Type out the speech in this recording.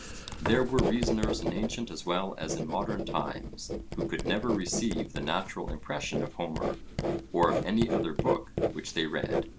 There were reasoners in ancient as well as in modern times, who could never receive the natural impression of Homer, or of any other book which they read.